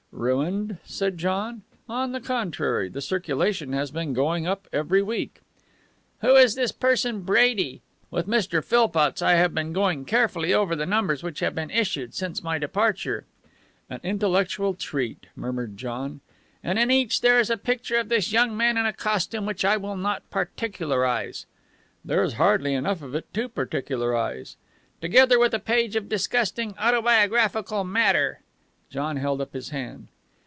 "Ruined?" said John. "On the contrary. The circulation has been going up every week." "Who is this person, Brady? With Mr. Philpotts I have been going carefully over the numbers which have been issued since my departure " "An intellectual treat," murmured John. " and in each there is a picture of this young man in a costume which I will not particularize " "There is hardly enough of it to particularize." " together with a page of disgusting autobiographical matter." John held up his hand.